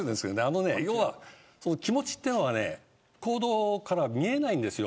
気持ちというのは行動から見えないんです。